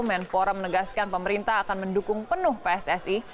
menpora menegaskan pemerintah akan mendukung penuh pssi